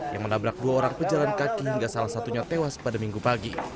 yang menabrak dua orang pejalan kaki hingga salah satunya tewas pada minggu pagi